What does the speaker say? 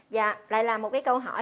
và lại là một cái câu hỏi